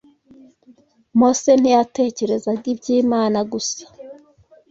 Mose ntiyatekerezaga iby’Imana gusa